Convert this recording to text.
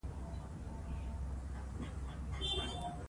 هغه پوښتنه وکړه چې زور څه مانا لري.